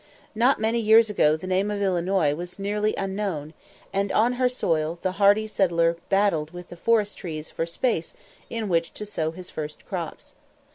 Not many years ago the name of Illinois was nearly unknown, and on her soil the hardy settler battled with the forest trees for space in which to sow his first crops.